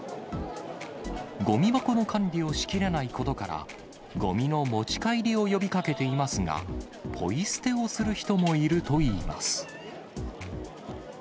ごみ箱の管理をしきれないことから、ごみの持ち帰りを呼びかけていますが、ポイ捨てをする人もいるといいます。